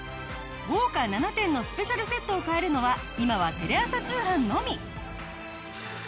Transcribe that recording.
豪華７点のスペシャルセットを買えるのは今はテレ朝通販のみ！